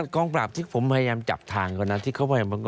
กองปราบที่ผมพยายามจับทางก่อนนะ